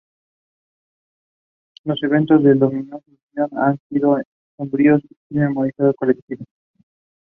Los eventos del Domingo Sangriento han sobrevivido en la memoria colectiva.